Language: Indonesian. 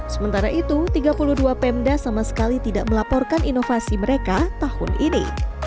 sementara itu tiga puluh dua pemda sama sekali tidak melaporkan inovasi mereka tahun ini